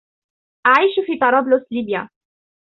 أعيش في طرابلس، ليبيا.